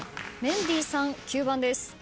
メンディーさん９番です。